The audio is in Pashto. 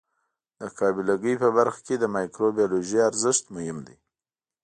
د قابله ګۍ په برخه کې د مایکروبیولوژي ارزښت مهم دی.